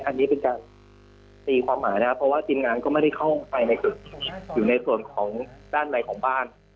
อันนี้เป็นการตีความหมายนะครับเพราะว่าทีมงานก็ไม่ได้เข้าไปในจุดอยู่ในส่วนของด้านในของบ้าน